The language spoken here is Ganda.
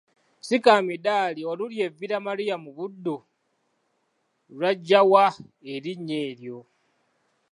Ssikamidaali oluli e Villa Maria mu Buddu lwajja wa erinnya eryo?